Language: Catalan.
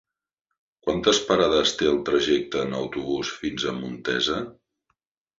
Quantes parades té el trajecte en autobús fins a Montesa?